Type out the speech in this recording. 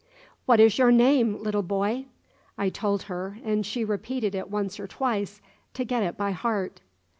"What is your name, little boy?" I told her, and she repeated it once or twice, to get it by heart.